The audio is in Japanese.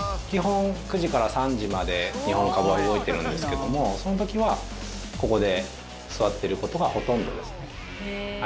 基本、９時から３時まで、日本株は動いてるんですけども、そのときは、ここで座っていることがほとんどですね。